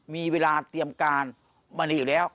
มีเวลาเตรียมการมณีอยู่แล้ว